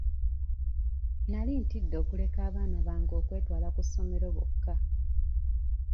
Nali ntidde okuleka abaana bange okwetwala ku ssomero bokka.